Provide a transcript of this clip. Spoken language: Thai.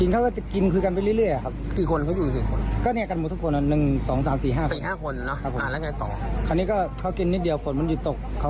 ถ้าตกเขาก็เลยกลับบ้าน